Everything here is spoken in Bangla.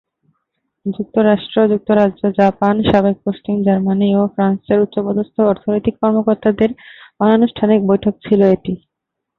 যুক্তরাষ্ট্র, যুক্তরাজ্য, জাপান, সাবেক পশ্চিম জার্মানি ও ফ্রান্সের উচ্চপদস্থ অর্থনৈতিক কর্মকর্তাদের অনানুষ্ঠানিক বৈঠক ছিল এটি।